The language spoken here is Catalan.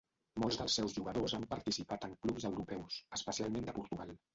Molts dels seus jugadors han participat en clubs europeus, especialment de Portugal.